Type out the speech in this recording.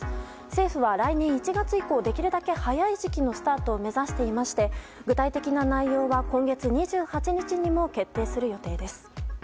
政府は来年１月以降できるだけ早い時期のスタートを目指していまして具体的な内容は今月２８日にも決定する予定です。